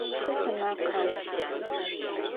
Тэсэмэркъэу.